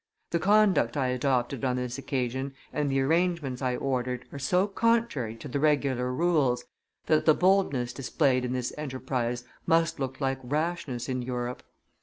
The conduct I adopted on this occasion and the arrangements I ordered are so contrary to the regular rules, that the boldness displayed in this enterprise must look like rashness in Europe.